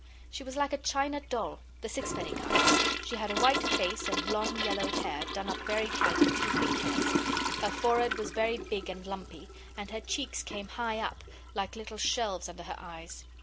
She was like a china doll the sixpenny kind; she had a white face, and long yellow hair, done up very tight in two pigtails; her forehead was very big and lumpy, and her cheeks came high up, like little shelves under her eyes.